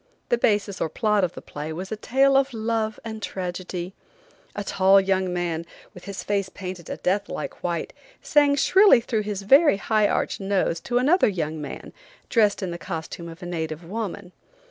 The basis or plot of the play was a tale of love and tragedy. A tall young man, with his face painted a death like white, sang shrilly through his very high arched nose to another young man, dressed in the costume of a native woman.